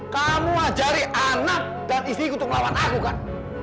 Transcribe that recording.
kamu ajari anak dan istriku untuk melawan aku kan